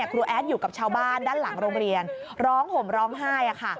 แอดอยู่กับชาวบ้านด้านหลังโรงเรียนร้องห่มร้องไห้